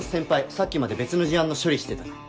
さっきまで別の事案の処理してたから。